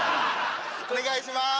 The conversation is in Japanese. お願いします。